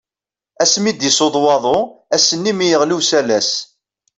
Asmi i d-yessuḍ waḍu, ass-nni mi yeɣli usalas.